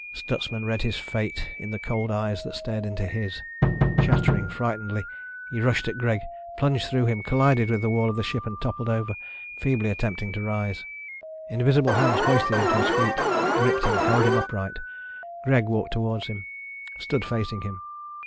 Stutsman read his fate in the cold eyes that stared into his. Chattering frightenedly, he rushed at Greg, plunged through him, collided with the wall of the ship and toppled over, feebly attempting to rise. Invisible hands hoisted him to his feet, gripped him, held him upright. Greg walked toward him, stood facing him.